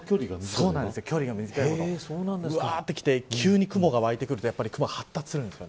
距離が短いほどうわーってきて急に雲が湧いてくると発達するんです。